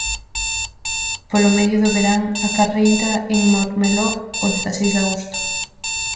Polo medio do verán, a carreira en Montmeló, o dezaseis de agosto.